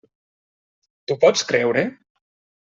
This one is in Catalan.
T'ho pots creure?